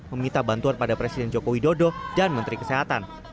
meminta bantuan pada presiden joko widodo dan menteri kesehatan